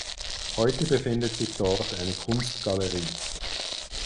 Heute befindet sich dort eine Kunstgalerie.